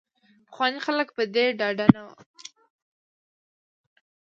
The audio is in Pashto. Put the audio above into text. پخواني خلک په دې ډاډه نه وو.